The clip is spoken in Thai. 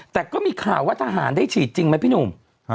แต่ก็มีข่าวว่าทหารได้ฉีดจริงไหมพี่หนุ่ม